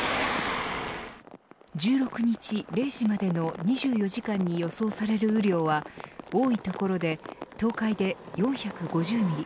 １６日０時までの２４時間に予想される雨量は多い所で東海で４５０ミリ